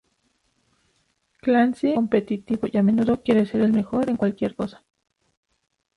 Clancy es competitivo y a menudo quiere ser el mejor en cualquier cosa.